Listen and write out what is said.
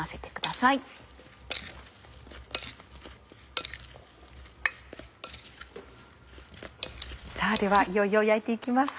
さぁではいよいよ焼いて行きます。